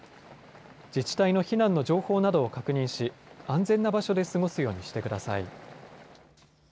自治体の避難の情報などを確認し、安全な場所で過ごすようにしてください。